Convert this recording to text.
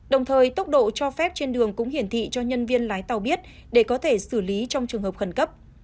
đồng thời tốc độ cho phép trên đường cũng hiển thị cho nhân viên lái tàu biết để có thể xử lý trong trường hợp khẩn cấp